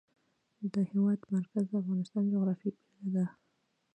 د هېواد مرکز د افغانستان د جغرافیې بېلګه ده.